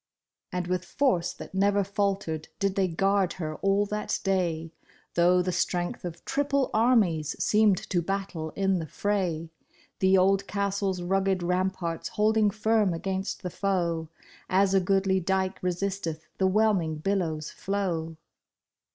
And with force that never faltered did they guard her all that day, Though the strength of triple armies seemed to battle in the fray, The old castle's rugged ramparts holding firm against the foe, As a goodly dike resisteth the whelming billow's flow.